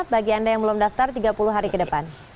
bagi anda yang belum daftar tiga puluh hari ke depan